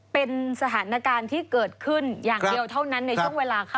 เป็นสถานการณ์ที่เกิดขึ้นอย่างเดียวเท่านั้นในช่วงเวลาค่ะ